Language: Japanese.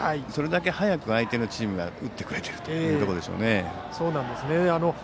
それだけ早く相手のチームが打ってくれているところですね。